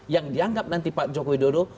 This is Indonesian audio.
yang dianggap nanti pak jokowi dodo